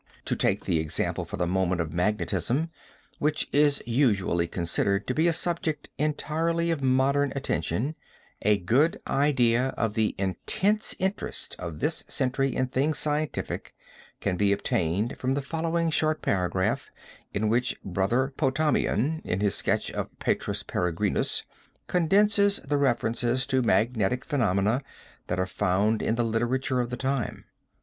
To take the example for the moment of magnetism which is usually considered to be a subject entirely of modern attention, a good idea of the intense interest of this century in things scientific, can be obtained from the following short paragraph in which Brother Potamian in his sketch of Petrus Peregrinus, condenses the references to magnetic phenomena that are found in the literature of the time.